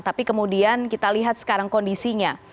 tapi kemudian kita lihat sekarang kondisinya